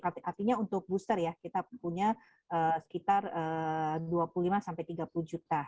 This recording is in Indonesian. artinya untuk booster ya kita punya sekitar dua puluh lima sampai tiga puluh juta